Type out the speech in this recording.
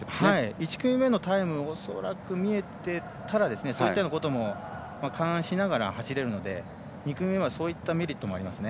１組目のタイムが見えていたらそういったことも勘案しながら走れるので２組目はそういうメリットもありますね。